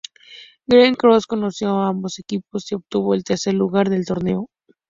Green Cross venció a ambos equipos y obtuvo el tercer lugar del torneo.